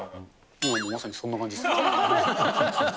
今、まさにそんな感じです。